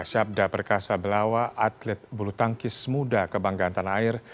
syabda perkasa belawa atlet bulu tangkis muda kebanggaan tanah air